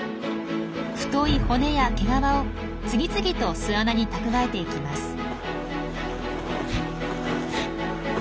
太い骨や毛皮を次々と巣穴に蓄えていきます。